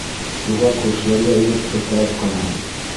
Шуға күршеләргә инеп шылтыратҡанһың!